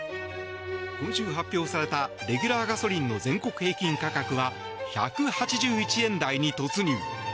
今週、発表されたレギュラーガソリンの全国平均価格は１８１円台に突入。